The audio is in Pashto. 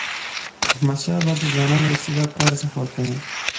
احمدشاه بابا د ځوانانو استعداد ته ارزښت ورکاوه.